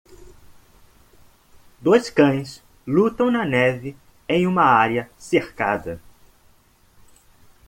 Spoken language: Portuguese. Dois cães lutam na neve em uma área cercada.